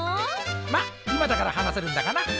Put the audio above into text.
まっ今だから話せるんだがな。